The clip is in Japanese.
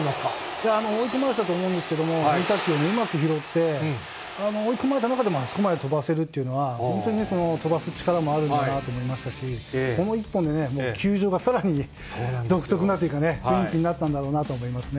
いやー、追い込まれてたと思うんですけど、変化球をうまく拾って、追い込まれた中でもあそこまで飛ばせるっていうのは、飛ばす力もあるっていうね、この一本でね、球場がさらに独特なというか、雰囲気になったんだろうなと思いますね。